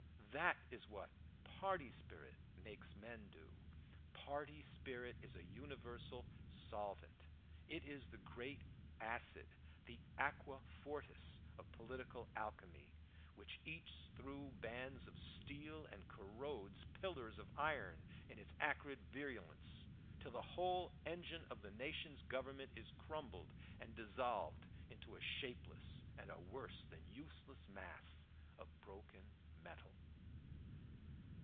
That is what party spirit makes men do. Party spirit is a universal solvent; it is the great acid, the aqua fortis of political alchemy, which eats through bands of steel and corrodes pillars of iron in its acrid virulence, till the whole engine of a nation's government is crumbled and dissolved into a shapeless and a worse than useless mass of broken metal.